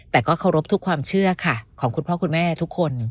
แต่ก็เคารพทุกความเชื่อค่ะของคุณพ่อคุณแม่ทุกคน